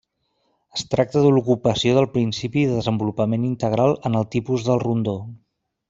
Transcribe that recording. Es tracta de l'ocupació del principi de desenvolupament integral en el tipus del rondó.